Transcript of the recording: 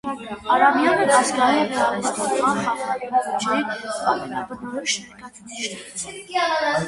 Արամյանը ազգային ռեալիստական խաղաոճի ամենաբնորոշ ներկայացուցիչներից է։